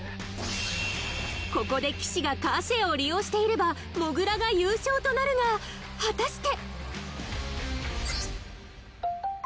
ここで岸がカーシェアを利用していればもぐらが優勝となるが果たして？